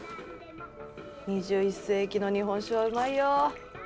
２１世紀の日本酒はうまいよ。